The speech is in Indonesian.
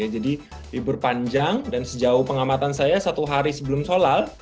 jadi libur panjang dan sejauh pengamatan saya satu hari sebelum sholal